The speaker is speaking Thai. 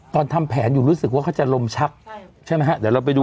ทำแผนอยู่รู้สึกว่าเขาจะลมชักใช่ไหมฮะเดี๋ยวเราไปดู